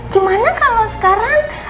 gimana kalau sekarang